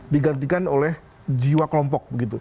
digantikan oleh jiwa kelompok